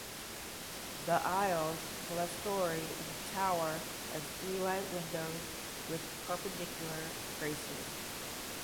The aisles, clerestory and tower have three-light windows with Perpendicular tracery.